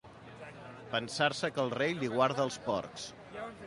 Pensar-se que el rei li guarda els porcs.